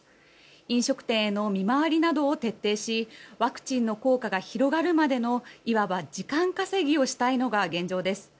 飲食店への見回りなどを徹底しワクチンの効果が広がるまでのいわば時間稼ぎをしたいのが現状です。